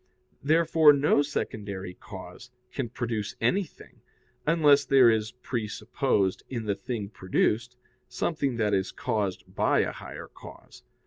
Therefore no secondary cause can produce anything, unless there is presupposed in the thing produced something that is caused by a higher cause.